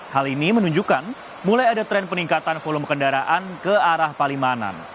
hal ini menunjukkan mulai ada tren peningkatan volume kendaraan ke arah palimanan